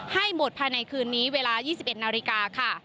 ให้หมดภายในคืนนี้เวลา๒๑นาฬิกาค่ะ